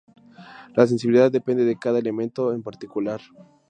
La sensibilidad depende de cada elemento en particular.